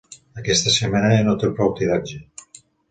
Aquesta xemeneia no té prou tiratge.